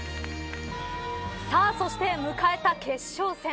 そして迎えた決勝戦。